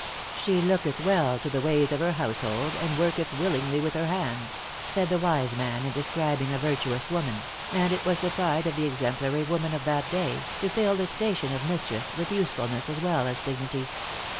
"She looketh well to the ways of her household," and "worketh willingly with her hands," said the wise man, in describing a virtuous woman; and it was the pride of the exemplary women of that day, to fill the station of mistress with usefulness as well as dignity.